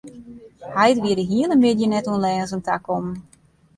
Heit wie de hiele middei net oan lêzen takommen.